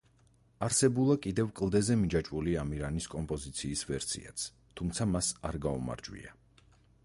არსებულა კიდევ, „კლდეზე მიჯაჭვული ამირანის“ კომპოზიციის ვერსიაც, თუმცა მას არ გაუმარჯვია.